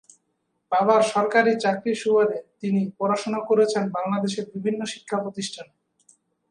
বাবার সরকারি চাকরির সুবাদে তিনি পড়াশোনা করেছেন বাংলাদেশের বিভিন্ন শিক্ষা প্রতিষ্ঠানে।